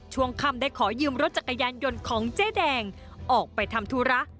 ช่วงค่ำได้ขอยืมรถจักรยานยนต์ของเจ๊แดงออกไปทำธุระ